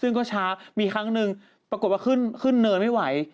ซึ่งก็ช้ามีครั้งหนึ่งปรากฏว่าขึ้นขึ้นเนินไม่ไหว